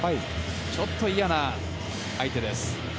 ちょっと嫌な相手です。